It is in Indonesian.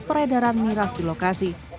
peredaran miras di lokasi